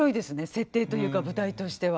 設定というか舞台としては。